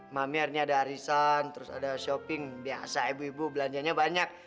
mami hari ini ada arisan terus ada shopping biasa ibu ibu belanjanya banyak